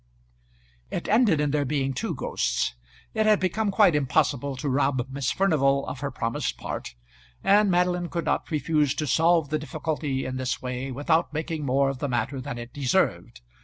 It ended in there being two ghosts. It had become quite impossible to rob Miss Furnival of her promised part, and Madeline could not refuse to solve the difficulty in this way without making more of the matter than it deserved.